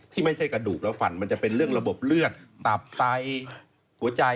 ไม่ใช่กระดูกแล้วฝันมันจะเป็นเรื่องระบบเลือดตับไตหัวใจ